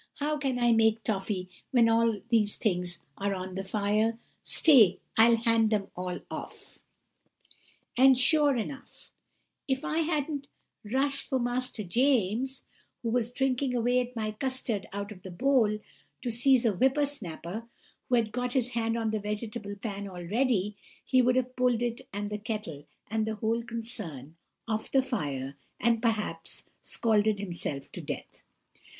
How can I make toffey, when all these things are on the fire? Stay, I'll hand them all off!' "And, sure enough, if I hadn't rushed from Master James, who was drinking away at my custard out of the bowl, to seize on Whipper snapper, who had got his hand on the vegetable pan already, he would have pulled it and the kettle, and the whole concern, off the fire, and perhaps scalded himself to death.